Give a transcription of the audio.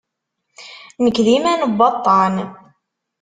Nekk d iman n waṭṭan.